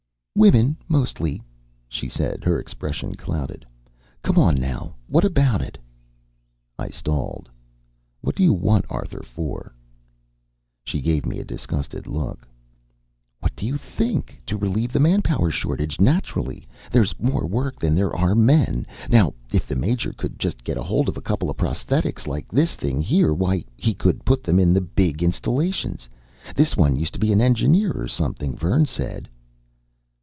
"Women, mostly," she said, her expression clouded. "Come on now. What about it?" I stalled. "What do you want Arthur for?" She gave me a disgusted look. "What do you think? To relieve the manpower shortage, naturally. There's more work than there are men. Now if the Major could just get hold of a couple of prosthetics, like this thing here, why, he could put them in the big installations. This one used to be an engineer or something, Vern said."